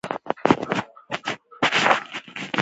پلی یا ممپلی په ننګرهار کې کیږي.